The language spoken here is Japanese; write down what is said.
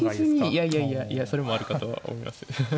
いやいやいやいやそれもあるかとは思います。